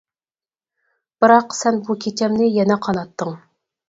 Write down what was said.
بىراق، سەن بۇ كېچەمنى يەنە قاناتتىڭ.